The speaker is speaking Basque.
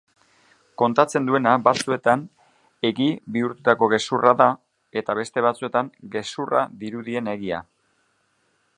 Kontatzen duena batzuetan egi bihurtutako gezurra da eta beste batzuetan gezurra dirudien egia.